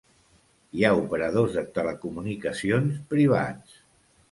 Hi ha operadors de telecomunicacions privats.